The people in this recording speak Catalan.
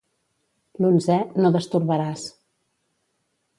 L'onzè, no destorbaràs.